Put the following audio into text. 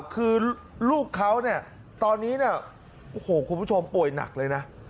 คือลูกเขาเนี่ยตอนนี้เนี่ยโอ้โหคุณผู้ชมป่วยหนักเลยนะ